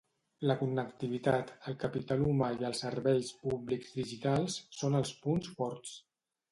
La connectivitat, el capital humà i els serveis públics digitals són els punts forts.